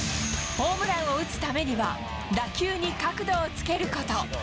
ホームランを打つためには、打球に角度をつけること。